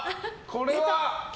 これは。